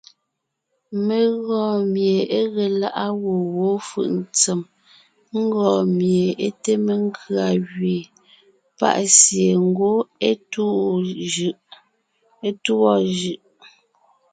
Mé gɔɔn mie é ge lá’a gwɔ̂ wó fʉʼ ntsèm, ńgɔɔn mie é te mekʉ̀a gẅeen, pa’ sie ngwɔ́ é tûɔ jʉ’.